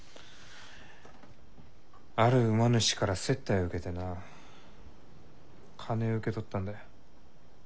ある馬主から接待を受けてな金を受け取ったんだよ。